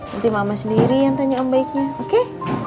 nanti mama sendiri yang tanya sama baiknya oke